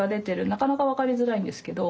なかなか分かりづらいんですけど。